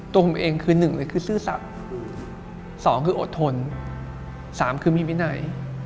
ตัวผมเองคือ๑ซื่อสัตว์๒อดทน๓มีวินัย